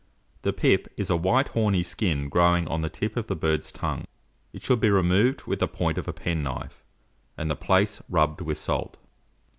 The pip is a white horny skin growing on the tip of the bird's tongue. It should be removed with the point of a penknife, and the place rubbed with salt.